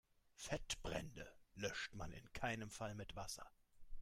Fettbrände löscht man in keinem Fall mit Wasser.